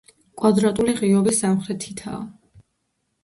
კვადრატული ღიობი სამხრეთითაა.